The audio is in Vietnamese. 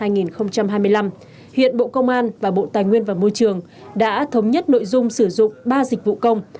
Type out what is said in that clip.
giai đoạn hai nghìn hai mươi hai hai nghìn hai mươi năm hiện bộ công an và bộ tài nguyên và môi trường đã thống nhất nội dung sử dụng ba dịch vụ công